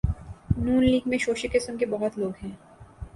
ن لیگ میں شوشے قسم کے بہت لوگ ہیں۔